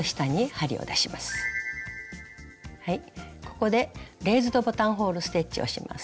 ここでレイズドボタンホール・ステッチをします。